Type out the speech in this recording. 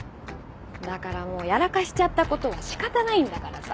だからもうやらかしちゃった事は仕方ないんだからさ。